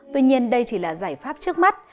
tuy nhiên đây chỉ là giải pháp trước mắt